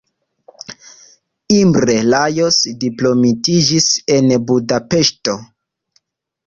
Imre Lajos diplomitiĝis en Budapeŝto.